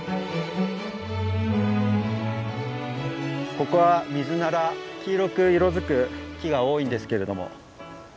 ここはミズナラ黄色く色づく木が多いんですけれども。